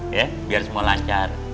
ya biar semua lancar